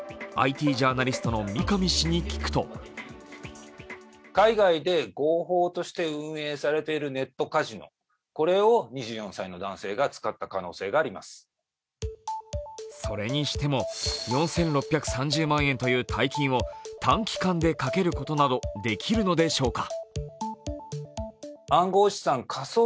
ＩＴジャーナリストの三上氏に聞くとそれにしても、４６３０万円という大金を短期間でかけることなどできるのでしょうか。